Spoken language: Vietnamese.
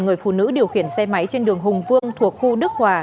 người phụ nữ điều khiển xe máy trên đường hùng vương thuộc khu đức hòa